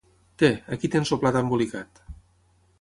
Té, aquí tens el plat embolicat.